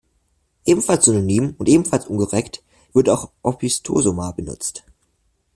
Ebenfalls synonym und ebenfalls unkorrekt wird auch "Opisthosoma" benutzt.